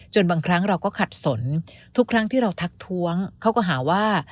บางครั้งเราก็ขัดสนทุกครั้งที่เราทักท้วงเขาก็หาว่า